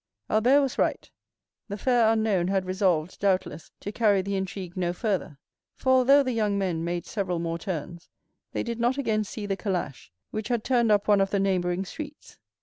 Albert was right; the fair unknown had resolved, doubtless, to carry the intrigue no farther; for although the young men made several more turns, they did not again see the calash, which had turned up one of the neighboring streets.